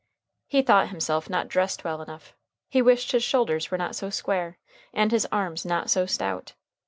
He thought himself not dressed well enough He wished his shoulders were not so square, and his arms not so stout.